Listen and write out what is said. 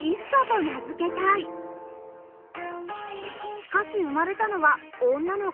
しかし生まれたのは女の子